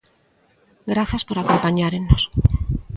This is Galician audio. Grazas por acompañárennos.